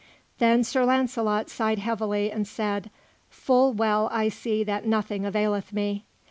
Then Sir Launcelot sighed heavily and said: "Full well I see that nothing availeth me."